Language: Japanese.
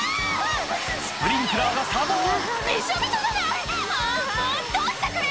スプリンクラーが作動あん